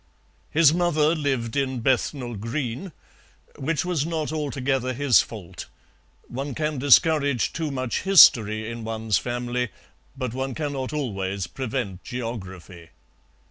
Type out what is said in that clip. His mother lived in Bethnal Green, which was not altogether his fault; one can discourage too much history in one's family, but one cannot always prevent geography.